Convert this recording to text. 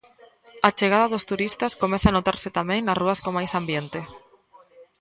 A chegada dos turistas comeza a notarse tamén nas rúas con máis ambiente.